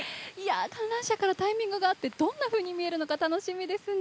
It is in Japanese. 観覧車からタイミングが合ってどんなふうに見えるのか楽しみですね。